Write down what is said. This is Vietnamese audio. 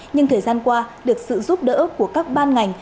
nhưng thời gian qua được sự giúp đỡ của các ban ngành